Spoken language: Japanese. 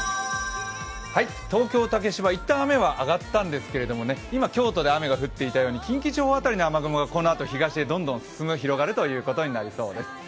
東京・竹芝、一旦雨はあがったんですけどね、今、京都で雨が降っていたように、近畿地方辺りの雨雲がこのあと東へどんどん広がることになりそうです。